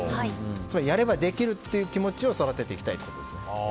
つまりやればできるという気持ちを育てていきたいということですね。